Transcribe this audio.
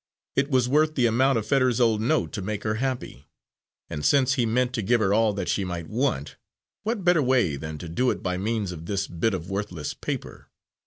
It was worth the amount of Fetters's old note to make her happy; and since he meant to give her all that she might want, what better way than to do it by means of this bit of worthless paper?